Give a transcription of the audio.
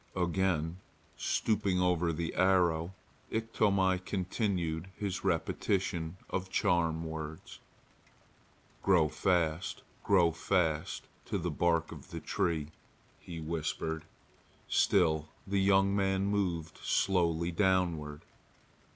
Again stooping over the arrow Iktomi continued his repetition of charm words. "Grow fast, grow fast to the bark of the tree," he whispered. Still the young man moved slowly downward.